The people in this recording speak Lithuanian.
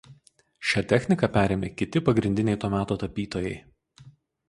Šią techniką perėmė kiti pagrindiniai to meto tapytojai.